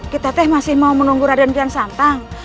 kita masih mau menunggu reikian santang